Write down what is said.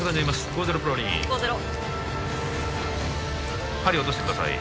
５−０プローリン５−０針落としてください